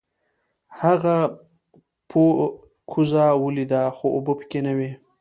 هغه یوه کوزه ولیده خو اوبه پکې نه وې.